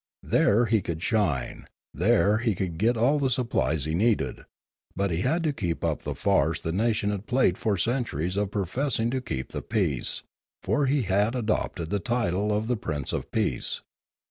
There he could shine, there he could get all the sup plies he needed; but he had to keep up the farce the nation had played for centuries of professing to keep the peace, for he had adopted the title of the Prince of Peace.